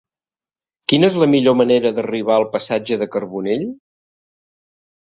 Quina és la millor manera d'arribar al passatge de Carbonell?